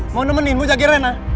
mau nemenin mau jaga rena